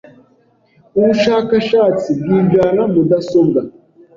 Ubushakashatsi bwigana mudasobwa